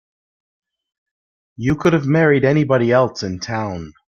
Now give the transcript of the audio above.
You could have married anybody else in town.